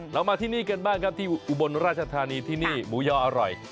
เรามาที่นี่กันบ้างครับที่อุบลราชธานีที่นี่หมูยออร่อย